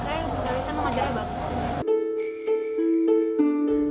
saya benda lita memajarnya bagus